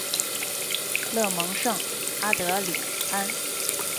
勒蒙圣阿德里安。